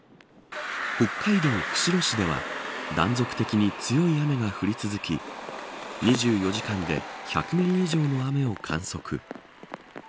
北海道釧路市では断続的に強い雨が降り続き２４時間で１００ミリ以上の雨を観測。